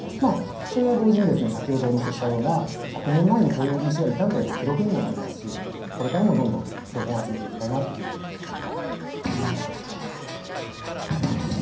それは同時に先ほどお見せしたような１００年前にこういう虫がいたんだよと記録にもなりますしこれからもどんどんと標本を集めていきたいなというふうに思ってます。